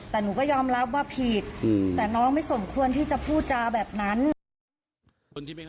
แต่หนูก็ยอมรับว่าผิดแต่น้องไม่สมควรที่จะพูดจาแบบนั้น